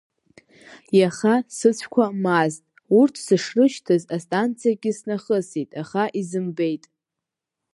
Иаха сыцәқәа маазт, урҭ сышрышьҭаз, астанциагьы снахысит, аха изымбеит.